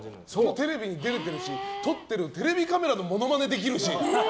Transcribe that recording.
テレビに出れてるし撮ってるテレビカメラのモノマネできるし。